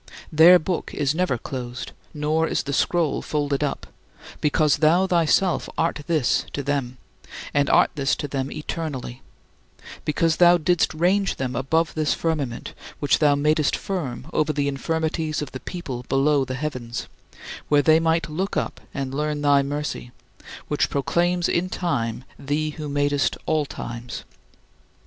Their book is never closed, nor is the scroll folded up, because thou thyself art this to them, and art this to them eternally; because thou didst range them above this firmament which thou madest firm over the infirmities of the people below the heavens, where they might look up and learn thy mercy, which proclaims in time thee who madest all times.